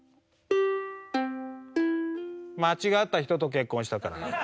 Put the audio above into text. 「間違った人と結婚したから」。